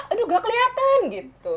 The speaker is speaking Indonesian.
aduh gak kelihatan gitu